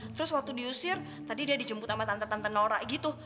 terus waktu diusir tadi dia dijemput sama tante tante nora gitu